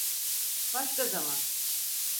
Başka zaman.